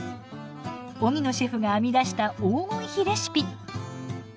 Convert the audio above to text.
荻野シェフが編み出した黄金比レシピ。